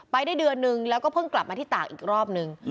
ได้เดือนนึงแล้วก็เพิ่งกลับมาที่ตากอีกรอบนึง